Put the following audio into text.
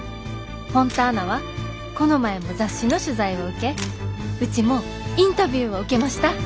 フォンターナはこの前も雑誌の取材を受けうちもインタビューを受けました！」。